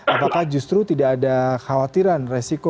apakah justru tidak ada khawatiran resiko